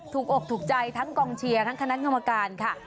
อกถูกใจทั้งกองเชียร์ทั้งคณะกรรมการค่ะ